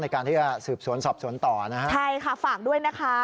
ในการที่จะสืบสวนสอบสวนต่อนะฮะใช่ค่ะฝากด้วยนะคะ